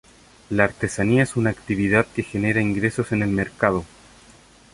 La artesanía es una actividad que genera ingresos en el mercado.